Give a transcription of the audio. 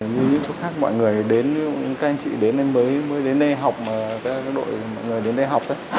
như những chỗ khác mọi người đến các anh chị mới đến đây học mà các đội mọi người đến đây học ấy